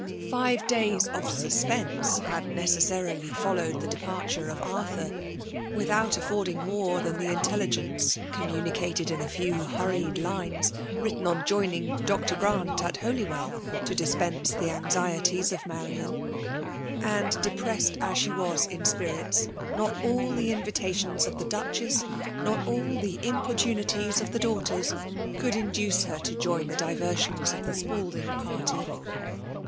Five days of suspense bad necessarily followed the departure of Arthur, without affording more than the intelligence communicated in a few hurried lines, wiittoA on joining Dr. Grant at Holywell, to daa^ the anxieties of Marian ; aad> depressed as die was in spirits, not all the invitations of the Duchess — ^not all the importunities of tlie daughters — could induce her to join the di versions of the Spalding party.